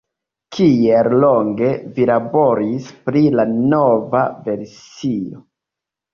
Kiel longe vi laboris pri la nova versio?